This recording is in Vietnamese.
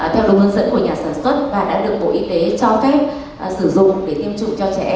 theo đúng hướng dẫn của nhà sản xuất và đã được bộ y tế cho phép sử dụng để tiêm chủng cho trẻ